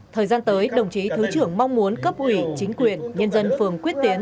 thời gian tới đồng chí thứ trưởng mong muốn cấp ủy chính quyền nhân dân phường quyết tiến